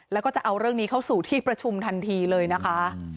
แล้วก็จะเอาเรื่องนี้เข้าสู่ที่ประชุมทันทีเลยนะคะ